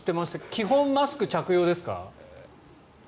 基本マスク着用ですか？